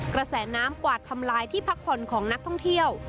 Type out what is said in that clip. กระแสน้ำกวาดทำลายที่พักผ่อนของนักท่องเที่ยว